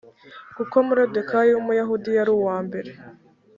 kuko moridekayi w umuyahudi yari uwa mbere